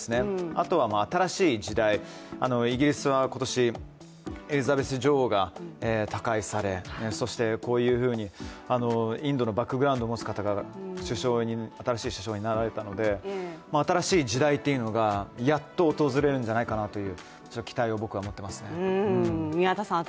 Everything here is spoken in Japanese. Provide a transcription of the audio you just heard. あとは新しい時代、イギリスは今年エリザベス女王が他界されそしてインドのバックグラウンドを持つ方が新しい首相になられたので、新しい時代がやっと訪れるんじゃないかという期待を僕は持っていますね。